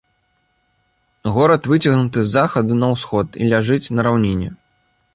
Горад выцягнуты з захаду на ўсход і ляжыць на раўніне.